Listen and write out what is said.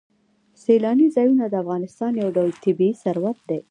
سیلاني ځایونه د افغانستان یو ډول طبعي ثروت دی.